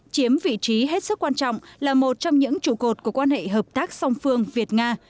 chiếm vị trí hết sức quan trọng là một trong những trụ cột của quan hệ hợp tác song phương việt nga